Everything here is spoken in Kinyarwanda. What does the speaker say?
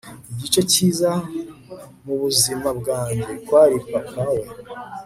igice cyiza mubuzima bwanjye kwari papa we